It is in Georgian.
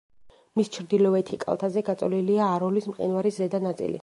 მის ჩრდილოეთი კალთაზე გაწოლილია აროლის მყინვარის ზედა ნაწილი.